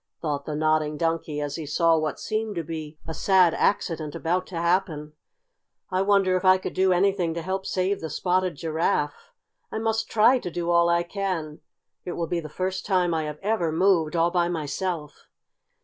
thought the Nodding Donkey as he saw what seemed to be a sad accident about to happen. "I wonder if I could do anything to help save the Spotted Giraffe? I must try to do all I can. It will be the first time I have ever moved all by myself."